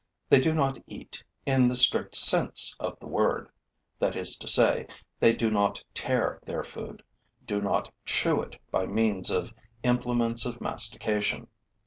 They do not eat, in the strict sense of the word, that is to say, they do not tear their food, do not chew it by means of implements of mastication.